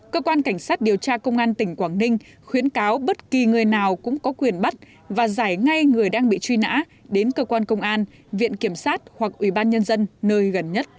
cơ quan cảnh sát điều tra công an tỉnh quảng ninh khuyến cáo bất kỳ người nào cũng có quyền bắt và giải ngay người đang bị truy nã đến cơ quan công an viện kiểm sát hoặc ủy ban nhân dân nơi gần nhất